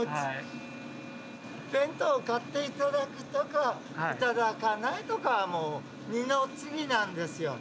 弁当を買っていただくとかいただかないとかはもう二の次なんですよ。